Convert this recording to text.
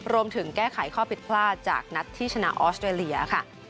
รวมถึงแก้ไขข้อผิดพลาดจากนัดที่ชนะออสเตรเลียค่ะ